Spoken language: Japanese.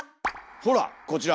ほらこちら！